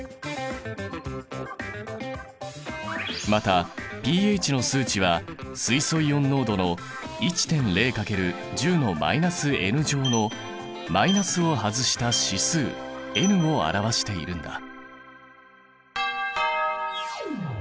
またｐＨの数値は水素イオン濃度の１．０×１０のマイナスを外した指数ｎを表しているんだ。